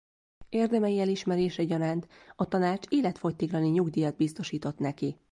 Érdemei elismerése gyanánt a tanács életfogytiglani nyugdíjat biztosított neki.